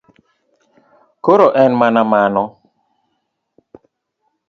Koro en mana mano.